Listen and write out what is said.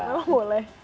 oh gitu nggak boleh